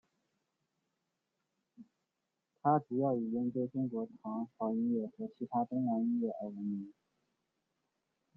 他主要以研究中国唐朝音乐和其他东洋音乐而闻名。